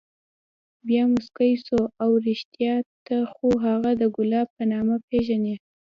بيا موسكى سو اوه رښتيا ته خو هغه د ګلاب په نامه پېژنې.